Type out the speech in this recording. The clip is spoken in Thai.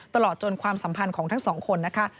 ตลอดจนความสัมพันธ์ของทั้งสองคนนะคะ